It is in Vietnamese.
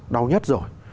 đau nhất rồi